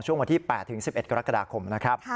วันที่๘๑๑กรกฎาคมนะครับ